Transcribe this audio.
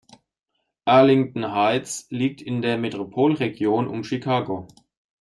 Arlington Heights liegt in der Metropolregion um Chicago.